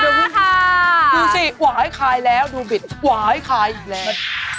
ดูสิหวายขายแล้วดูบิดหวายขายอีกแล้ว